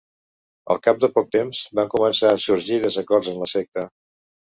Al cap de poc temps van començar a sorgir desacords en la secta.